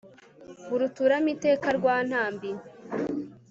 baruturamo iteka rwantambi